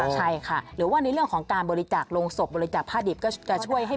ใช่ค่ะหรือว่าในเรื่องของการบริจาคโรงศพบริจาคผ้าดิบก็จะช่วยให้